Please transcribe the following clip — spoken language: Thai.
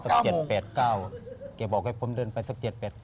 แกบอกให้ผมเดินไปสัก๗๘